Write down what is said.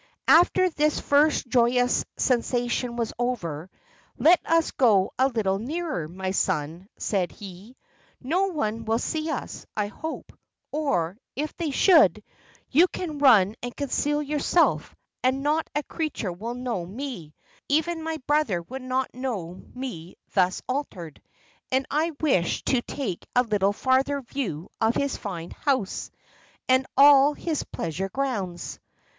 After this first joyous sensation was over, "Let us go a little nearer, my son," said he; "no one will see us, I hope; or, if they should, you can run and conceal yourself; and not a creature will know me; even my brother would not know me thus altered; and I wish to take a little farther view of his fine house, and all his pleasure grounds."